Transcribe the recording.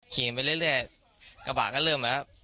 ขี่ไปเรื่อยกระบะก็เริ่มแล้วครับ